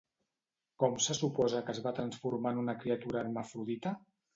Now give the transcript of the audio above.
Com se suposa que es va transformar en una criatura hermafrodita?